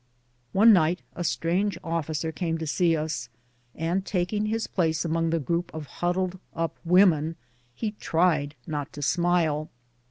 One night a strange officer came to see us, and taking his place among the group of huddled up women, he tried not to smile.